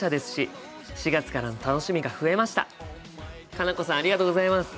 佳奈子さんありがとうございます。